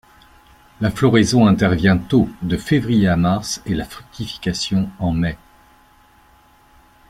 La floraison intervient tôt, de février à mars, et la fructification en mai.